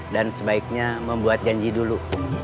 dan sebaiknya membuat janji dulu